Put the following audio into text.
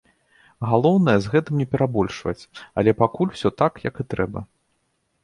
Галоўнае, з гэтым не перабольшваць, але пакуль усё так, як і трэба.